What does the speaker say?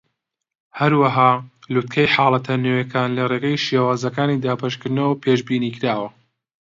هەروەها، لووتکەی حاڵەتە نوێیەکان لە ڕێگەی شێوازەکانی دابەشکردنەوە پێشبینیکراوە.